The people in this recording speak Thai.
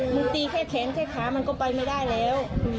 มันตีแค่แขนแค่ขามันก็ไปไม่ได้แล้ว